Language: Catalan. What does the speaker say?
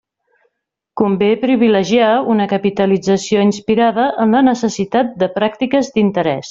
Convé privilegiar una capitalització inspirada en la necessitat de pràctiques d'interès.